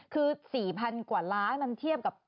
คือ๔๐๐๐กว่าล้านมันเทียบกับ